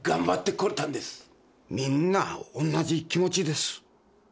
みんなおんなじ気持ちです。